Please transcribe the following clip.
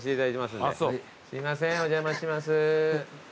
すいませんお邪魔します。